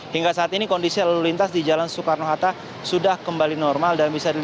hingga saat ini kondisi lalu lintas di jalan soekarno hatta sudah kembali normal